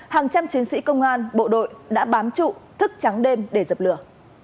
hàng trăm chiến sĩ công an bộ đội đã bám trụ thức trắng đêm để dập lửa